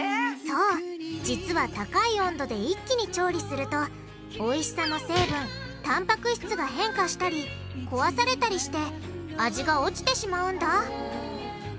そう実は高い温度で一気に調理するとおいしさの成分たんぱく質が変化したり壊されたりして味が落ちてしまうんだ。